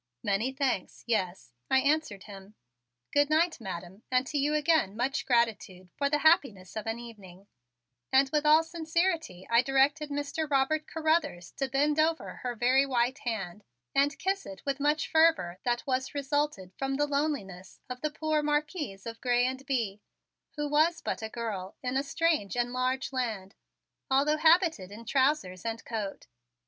"Many thanks, yes," I answered him. "Good night, Madam, and to you again much gratitude for the happiness of an evening," and with all sincerity I directed Mr. Robert Carruthers to bend over her very white hand and kiss it with much fervor that was resulted from the loneliness of the poor Marquise of Grez and Bye, who was but a girl in a strange and large land, although habited in trousers and coat.